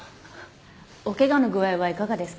お怪我の具合はいかがですか？